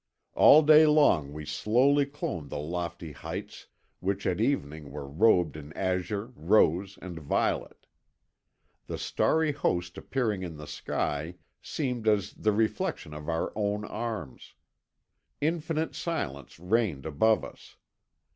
All day long we slowly clomb the lofty heights which at evening were robed in azure, rose, and violet. The starry host appearing in the sky seemed as the reflection of our own arms. Infinite silence reigned above us.